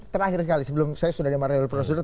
terakhir sekali sebelum saya sudah dimarahi oleh prof sudut